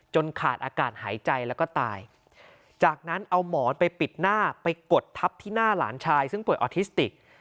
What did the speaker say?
ขาดอากาศหายใจแล้วก็ตายจากนั้นเอาหมอนไปปิดหน้าไปกดทับที่หน้าหลานชายซึ่งป่วยออทิสติก